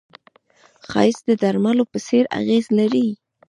ښایست د درملو په څېر اغېز لري